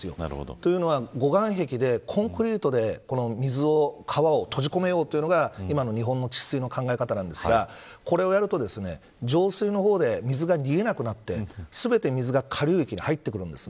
というのは護岸壁でコンクリートで水を川を閉じ込めようというのが今の日本の治水の考え方なんですがこれをやると上水の方で水が逃げなくなって全て水が下流域に入ってくるんです。